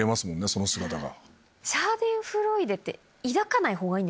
その姿が。